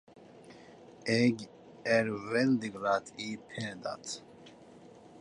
Eg er veldig glad i P.